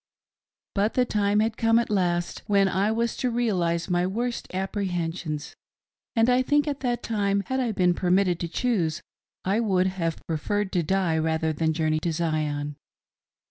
But the time had come at last when I was to realise my worst apprehensions, and I think at that time, had I been permitted to choose, I would have preferred to die rather than journey to Zion.